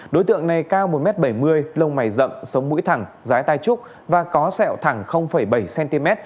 đối tượng này cao một m bảy mươi lông mày rậm sống mũi thẳng rái tai trúc và có sẹo thẳng bảy cm